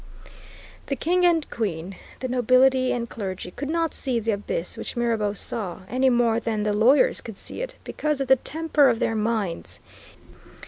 The King and Queen, the Nobility and Clergy, could not see the abyss which Mirabeau saw, any more than the lawyers could see it, because of the temper of their minds.